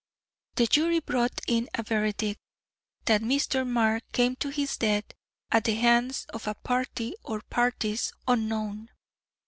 The jury brought in a verdict "that Mr. Mark came to his death at the hands of a party or parties unknown."